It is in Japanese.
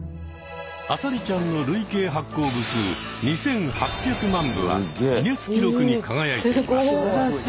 「あさりちゃん」の累計発行部数２，８００万部はギネス記録に輝いています。